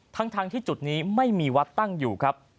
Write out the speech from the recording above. ทั้งที่จุดนี้ไม่มีวัดตั้งอยู่ครับ